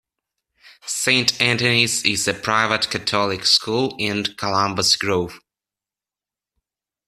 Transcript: Saint Anthony's is a private catholic school in Columbus Grove.